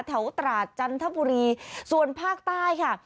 ตราดจันทบุรีส่วนภาคใต้ค่ะ